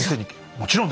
もちろん！